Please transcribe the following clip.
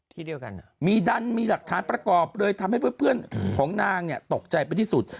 ที่เดียวกันมีดันมีหลักฐานประกอบเลยทำให้เพื่อนของนางเนี่ยตกใจไปที่สุด